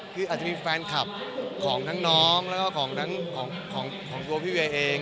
คืออาจจะมีแฟนคลับของทั้งน้องแล้วก็ของตัวพี่เวย์เอง